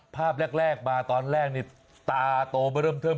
ภาพแรกมาตอนแรกนี่ตาโตมาเริ่มเทิม